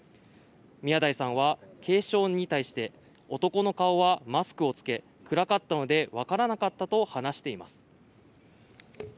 宮台さんは警視庁に対して、男の顔はマスクを着け暗かったので分からなかったと話しています。